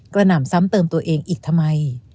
หนำซ้ำเติมตัวเองอีกทำไม